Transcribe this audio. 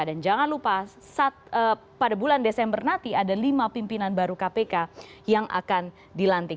dan jangan lupa pada bulan desember nanti ada lima pimpinan baru kpk yang akan dilantik